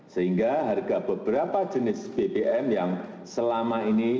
sehingga harga beberapa jenis bbm yang selama ini